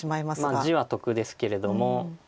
まあ地は得ですけれども。